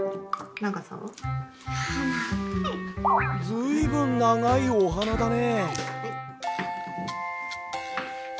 ずいぶんながいおはなだね。